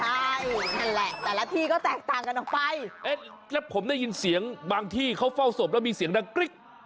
ใช่นั่นแหละแต่ละที่ก็แตกต่างกันออกไปเอ๊ะแล้วผมได้ยินเสียงบางที่เขาเฝ้าศพแล้วมีเสียงดังกริ๊ก